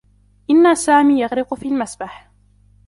إنّ سامي يغرق في المسبح.